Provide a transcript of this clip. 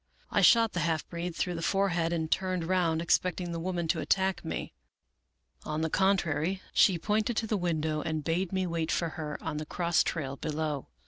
I shot the half breed through the forehead, and turned round, expecting the woman to attack me. On the contrary, she pointed to the window, and bade me wait for her on the cross trail below.